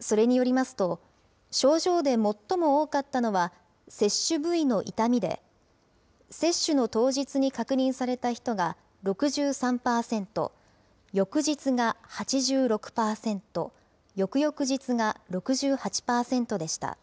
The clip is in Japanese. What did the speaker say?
それによりますと、症状で最も多かったのは、接種部位の痛みで、接種の当日に確認された人が６３％、翌日が８６％、翌々日が６８％でした。